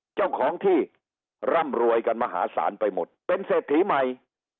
เจ้าของที่ร่ำรวยกันมหาศาลไปหมดเป็นเศรษฐีใหม่